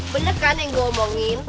bener kan yang gue omongin